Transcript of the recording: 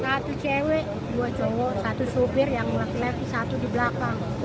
satu cewek dua cowok satu sopir yang laki laki satu di belakang